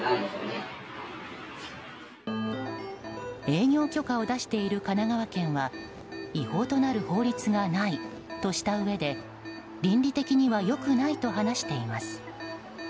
営業許可を出している神奈川県は違法となる法律がないとしたうえで倫理的には良くないと話しています。